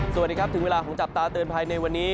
สวัสดีครับถึงเวลาของจับตาเตือนภัยในวันนี้